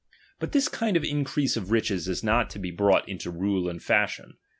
But this ^H kiod of nicrease of riches is not to be brought ^H into rule and fashion.